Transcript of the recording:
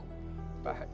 ya pak sabar pak